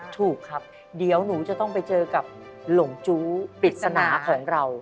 ถูกครับเดี๋ยวหนูจะต้องไปเจอกับหลงจู้ปริศนาของเรา